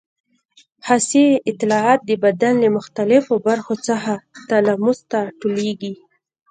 حسي اطلاعات د بدن له مختلفو برخو څخه تلاموس ته ټولېږي.